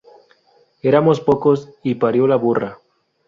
Éramos pocos, y parió la burra